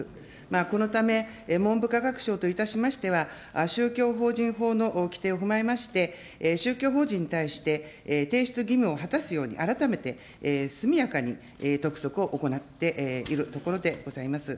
このため、文部科学省といたしましては、宗教法人法の規定を踏まえまして、宗教法人に対して、提出義務を果たすように改めて速やかに督促を行っているところでございます。